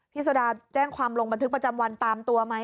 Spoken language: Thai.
โซดาแจ้งความลงบันทึกประจำวันตามตัวไหม